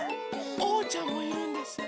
おうちゃんもいるんですよ。